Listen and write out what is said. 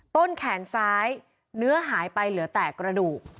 ต้นแขนซ้ายเนื้อหายไปเหลือแต่กระดูก